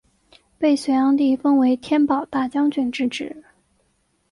被隋炀帝封为天保大将军之职。